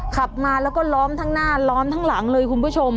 ขับมาแล้วก็ล้อมทั้งหน้าล้อมทั้งหลังเลยคุณผู้ชม